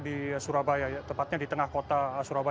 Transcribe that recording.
di surabaya tepatnya di tengah kota surabaya